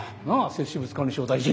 摂取物管理省大臣！